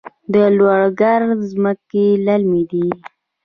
د لوګر ځمکې للمي دي